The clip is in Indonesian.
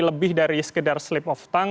lebih dari sekedar slip of tongk